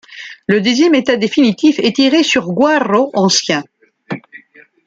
Le deuxième état définitif est tiré sur guarro ancien.